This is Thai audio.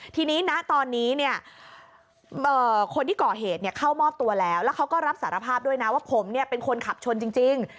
ทีนี้ณตอนนี้เนี่ยคนที่ก่อเหตุเข้ามอบตัวแล้วแล้วเขาก็รับสารภาพด้วยนะว่าผมเป็นคนขับชนจริง